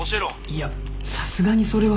いやさすがにそれは。